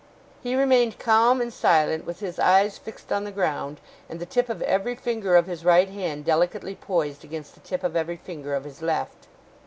He remained calm and silent, with his eyes fixed on the ground, and the tip of every finger of his right hand delicately poised against the tip of every finger of his left.